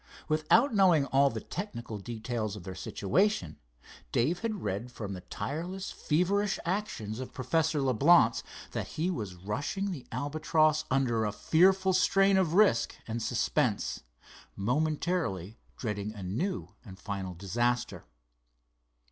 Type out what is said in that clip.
Without knowing all the technical details of their situation, Dave had read from the tireless, feverish actions of Professor Leblance, that he was rushing the Albatross under a fearful strain of risk and suspense, momentarily dreading a new and final disaster.